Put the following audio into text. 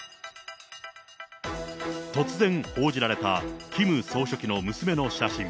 突然、報じられたキム総書記の娘の写真。